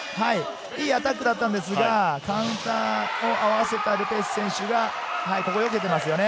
いいアタックだったんですが、カウンターを合わせたル・ペシュ選手がここよけてますね。